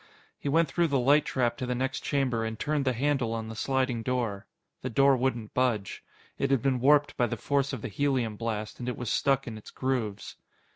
He went through the light trap to the next chamber and turned the handle on the sliding door. The door wouldn't budge. It had been warped by the force of the helium blast, and it was stuck in its grooves.